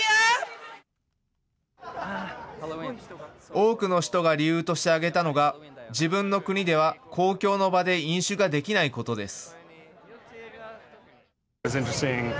多くの人が理由として挙げたのが自分の国では公共の場で飲酒ができないことです。